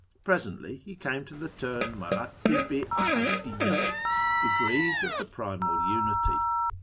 Presently he came to the term 'mardtib i ahacliyyat ' (degrees of the Primal Unity).